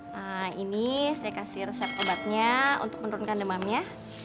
nah ini saya kasih resep obatnya untuk menurunkan demamnya